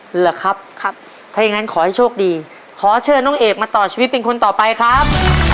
เหรอครับครับถ้าอย่างงั้นขอให้โชคดีขอเชิญน้องเอกมาต่อชีวิตเป็นคนต่อไปครับ